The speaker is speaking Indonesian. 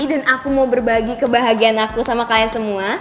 dan aku mau berbagi kebahagiaan aku sama kalian semua